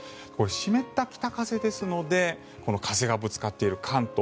湿った北風ですので風がぶつかっている関東